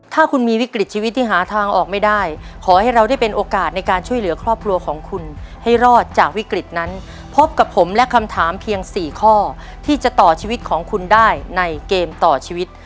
ถ้าคุณมีวิกฤตชีวิตที่หาทางออกไม่ได้ขอให้เราได้เป็นโอกาสในการช่วยเหลือครอบครัวของคุณให้รอดจากวิกฤตนั้นพบกับผมและคำถามเพียง๔ข้อที่จะต่อชีวิตของคุณได้ในเกมต่อชีวิต